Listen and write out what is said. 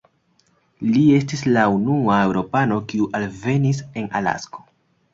Li estis la unua eŭropano, kiu alvenis en Alasko.